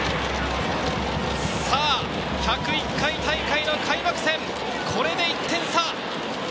さぁ、１０１回目大会の開幕戦、これで１点差。